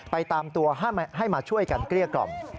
ตามตัวให้มาช่วยกันเกลี้ยกล่อม